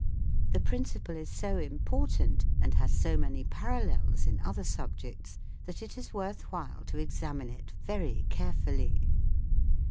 The principle is so important, and has so many parallels in other 94 THE WORLD OF SOUND subjects, that it is worth while to examine it very carefully.